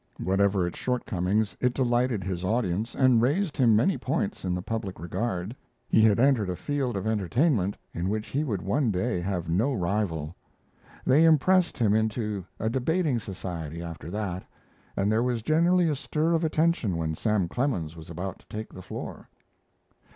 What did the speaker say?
Whatever its shortcomings, it delighted his audience, and raised him many points in the public regard. He had entered a field of entertainment in which he would one day have no rival. They impressed him into a debating society after that, and there was generally a stir of attention when Sam Clemens was about to take the floor.